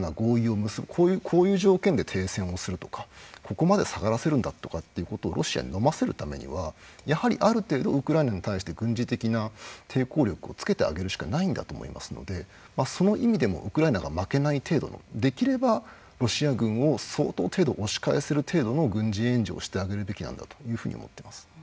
こういう条件で停戦をするとかここまで下がらせるんだとかっていうことをロシアにのませるためにはやはりある程度ウクライナに対して軍事的な抵抗力をつけてあげるしかないんだと思いますのでその意味でもウクライナが負けない程度のできればロシア軍を相当程度押し返せる程度の軍事援助をしてあげるべきなんだというふうに思っています。